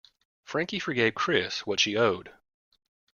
Frankie forgave Chris what she owed.